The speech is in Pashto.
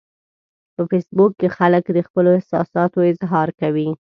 په فېسبوک کې خلک د خپلو احساساتو اظهار کوي